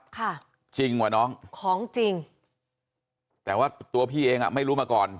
ค่ะจริงกว่าน้องของจริงแต่ว่าตัวพี่เองอ่ะไม่รู้มาก่อน